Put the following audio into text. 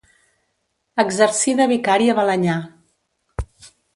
Exercí de vicari a Balenyà.